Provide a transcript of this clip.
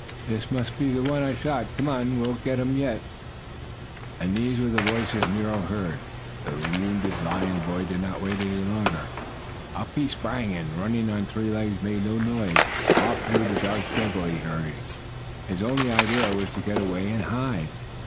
"This must be the one I shot! Come on, we'll get him yet!" And these were the voices Nero heard. The wounded lion boy did not wait any longer. Up he sprang, and, running on three legs, and making no noise, off through the dark jungle he hurried. His only idea was to get away and hide.